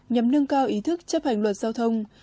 nhằm nâng cao ý thức chấp hành luật giao thông